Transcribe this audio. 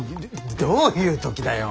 どういう時だよ。